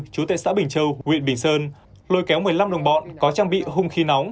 chú tệ xã bình châu huyện bình sơn lôi kéo một mươi năm đồng bọn có trang bị hung khí nóng